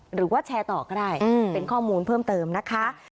หรือว่าแชร์ต่อก็ได้เป็นข้อมูลเพิ่มเติมนะคะ